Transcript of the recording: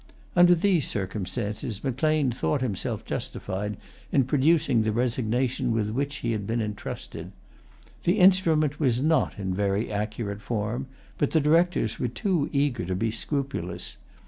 Under these circumstances, Macleane thought himself justified in producing the resignation with which he had been entrusted. The instrument was not in very accurate form; but the Directors were too eager to be scrupulous.